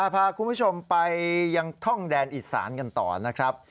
พาคุณผู้ชมไปยังท่องแดนอีสานกันต่อนะครับ